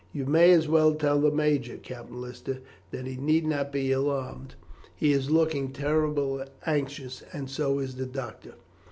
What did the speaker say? "You may as well tell the major, Captain Lister, that he need not be alarmed. He is looking terribly anxious, and so is the doctor."